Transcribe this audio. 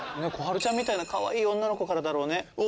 コハルちゃんみたいなかわいい女の子からだろうね。